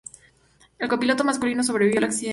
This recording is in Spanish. El copiloto masculino sobrevivió al accidente.